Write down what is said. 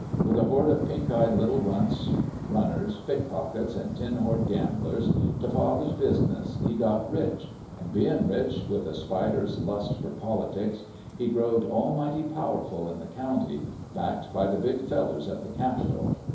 With a horde o' pink eyed little runts, runners, pickpockets, an' tin horn gamblers t' father business, he got rich ; an' bein' rich, with a spider's lust for politics, he growed almighty powerful in the county, backed by the big fellers at the capital.